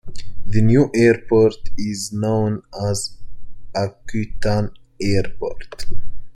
The new airport is known as Akutan Airport.